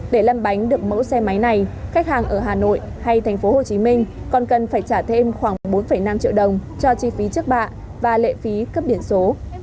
để lăn bánh được mẫu xe máy này khách hàng ở hà nội hay tp hcm còn cần phải trả thêm khoảng bốn năm triệu đồng cho chi phí trước bạ và lệ phí cấp biển số